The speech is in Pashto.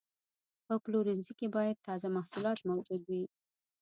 په پلورنځي کې باید تازه محصولات موجود وي.